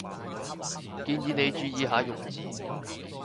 建議你注意下用字